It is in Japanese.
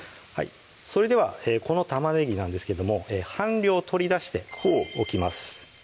それではこの玉ねぎなんですけども半量取り出しておきます